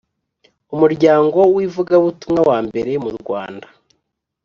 Umuryango w’ivugabutumwa wa mbere mu Rwanda.